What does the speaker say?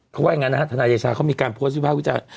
เขาว่าอย่างนั้นนะฮะทนายเดชาเขามีการโพสต์วิภาควิจารณ์